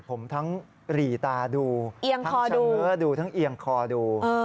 ผมทั้งหรี่ตาดูทั้งเฉง้อดูทั้งเอียงคอดู